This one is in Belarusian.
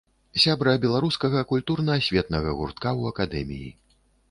Сябра беларускага культурна-асветнага гуртка ў акадэміі.